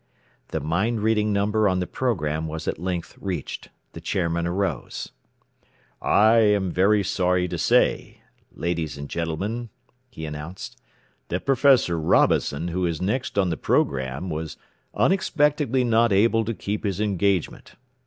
The "mind reading" number on the program was at length reached. The chairman arose. "I am very sorry to say, ladies and gentlemen," he announced, "that Prof. Robison, who is next on the program, was unexpectedly not able to keep his engagement.